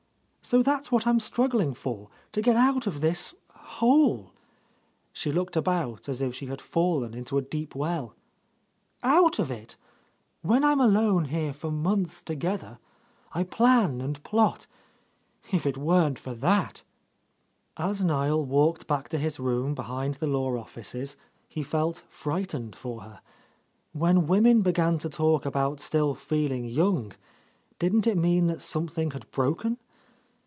"So that's what I'm struggling for, to get out of this hole,'' — she looked about as if she had fallen into a deep well, — "out of it! When I'm alone here for months together, I plan and plot. If it weren't for that —" As Niel walked back to his room behind the law offices, he felt frightened for her. When women began to talk about still feeling young, didn't it mean that something had broken?